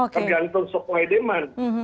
tergantung supply demand